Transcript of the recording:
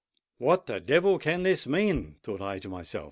'What the devil can this mean?' thought I to myself.